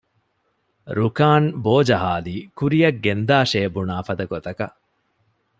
ރުކާން ބޯޖަހާލީ ކުރިއަށް ގެންދާށޭ ބުނާފަދަ ގޮތަކަށް